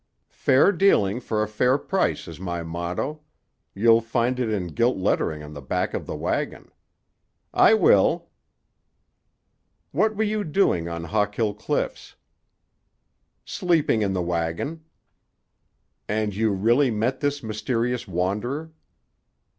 "Fair dealing for a fair price is my motto; you'll find it in gilt lettering on the back of the wagon. I will." "What were you doing on Hawkill Cliffs?" "Sleeping in the wagon." "And you really met this mysterious wanderer?"